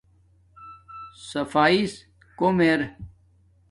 صفاݷیس کوم ار